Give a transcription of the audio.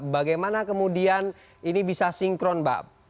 bagaimana kemudian ini bisa sinkron mbak